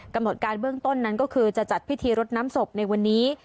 กำหนดการเบื้องต้นนั้นก็คือจะจัดพิธีรดน้ำศพในวันนี้